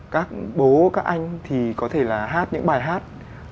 các bố các anh thì có thể là hát những bài hát